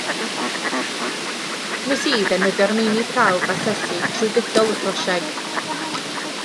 Wnes i ddefnyddio'r meini prawf asesu trwy gydol y prosiect.